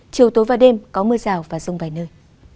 chiều tối và đêm có mưa rào và rông vài nơi